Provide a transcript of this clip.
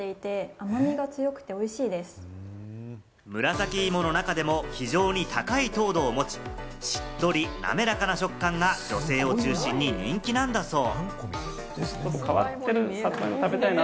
紫芋の中でも非常に高い糖度を持ち、しっとり、なめらかな食感が女性を中心に人気なんだそう。